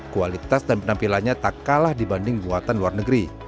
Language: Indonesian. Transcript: kualitas dan penampilannya tak kalah dibanding buatan luar negeri